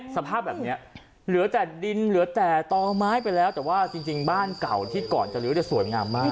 สภาพแบบนี้เหลือแต่ดินเหลือแต่ต่อไม้ไปแล้วแต่ว่าจริงบ้านเก่าที่ก่อนจะลื้อจะสวยงามมาก